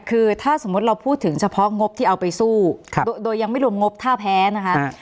คือถ้าสมมุติเราพูดถึงเฉพาะงบที่เอาไปสู้โดยยังไม่รวมงบถ้าแพ้นะคะ